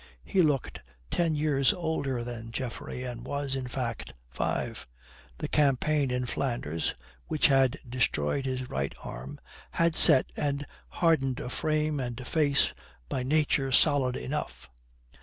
He looked ten years older than Geoffrey and was, in fact, five. The campaign in Flanders which had destroyed his right arm had set and hardened a frame and face by nature solid enough.